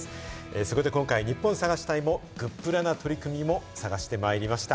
そこで今回、ニッポン探し隊もグップラな取り組みも探してまいりました。